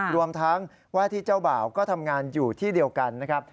รวมทั้งว่าที่เจ้าบ่าวก็ทำงานอยู่ที่เดียวกันนะครับ